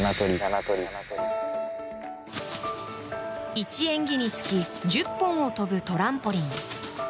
１演技につき１０本を跳ぶトランポリン。